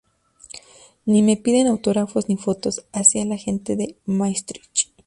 Ni me piden autógrafos, ni fotos, ¡así es la gente de Maastricht!